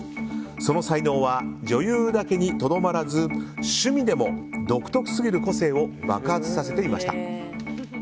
その才能は女優だけにとどまらず趣味でも独特すぎる個性を爆発させていました。